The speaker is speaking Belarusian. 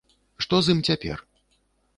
Што з ім цяпер?